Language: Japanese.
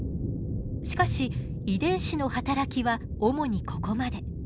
しかし遺伝子の働きは主にここまで。